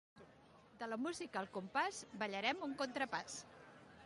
De la música al compàs ballarem un contrapàs.